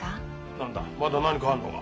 何だまだ何かあるのか？